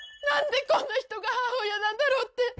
なんでこんな人が母親なんだろうって。